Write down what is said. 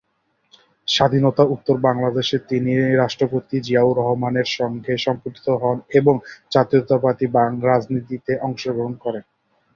স্বাধীনতা-উত্তর বাংলাদেশে তিনি রাষ্ট্রপতি জিয়াউর রহমান-এর সঙ্গে সম্পৃক্ত হন এবং জাতীয়তাবাদী রাজনীতিতে অংশগ্রহণ করেন।